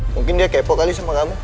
mungkin dia kepo kali sama kamu